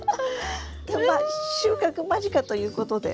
ま収穫間近ということで。